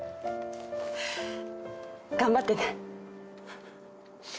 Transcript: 頑張ってね